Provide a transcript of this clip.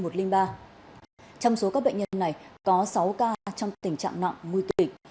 trong số các bệnh nhân này có sáu ca trong tình trạng nặng nguy kịch